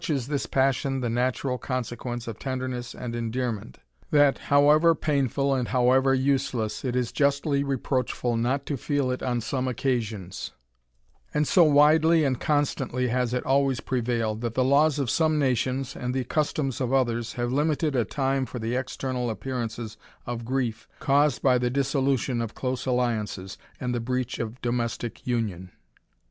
is this passion the natural consequence of .imd endearment, that, however painful and leless, it is justly reproachful not to feel it on ions; and so widely and constantly has it 66 THE RAMBLER, always prevailed, that the laws of some nations, and the customs of others, have limited a time for the external appearances of grief caused by the dissolution of close alliances, and the breach of domestick union.